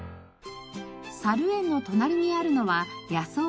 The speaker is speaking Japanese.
さる園の隣にあるのは野草園。